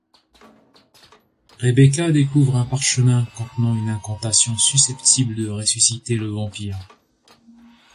Rebecca découvre un parchemin contenant une incantation susceptible de ressusciter le vampire.